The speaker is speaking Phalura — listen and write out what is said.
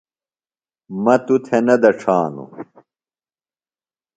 مہ توۡ تھےۡ نہ دڇھانوۡ۔